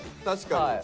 確かに。